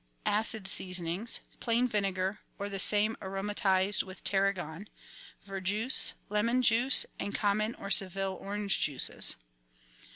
Acid seasonings. — Plain vinegar, or the same aromatised with tarragon ; verjuice, lemon juice, and common or Seville orange juices.